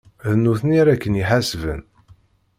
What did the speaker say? D nutni ara ken-iḥasben.